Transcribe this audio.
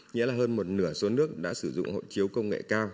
nghĩa là hơn một nửa số nước đã sử dụng hộ chiếu công nghệ cao